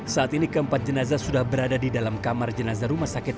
saat ini keempat jenazah sudah berada di dalam kamar jenazah rumah sakit